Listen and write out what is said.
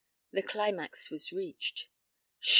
The climax was reached. "Sho!"